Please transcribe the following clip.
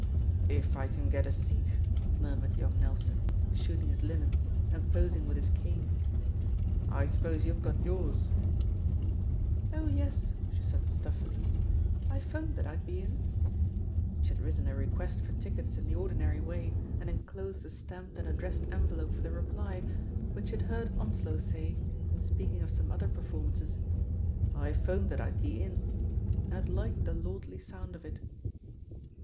'* "If I can get a seat,'* murmured young Nel son, shooting his linen, and posing with his cane. "I suppose youVe got yours?" "Oh yes," she said stuffily, "I 'phoned that I'd be in." She had written a request for tickets in the ordinary way, and enclosed a stamped and addressed envelope for the reply, but she had heard Onslow say, in speaking of some other performance, "I 'phoned that I'd be in," and had liked the lordly sound of it.